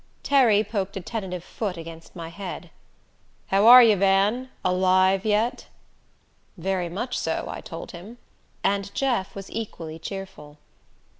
Terry poked a tentative foot against my head. "How are you, Van? Alive yet?" "Very much so," I told him. And Jeff was equally cheerful.